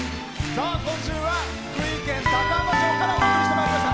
今週は福井県高浜町からお送りしてまいりました。